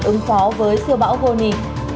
ứng phó với sưa bão goni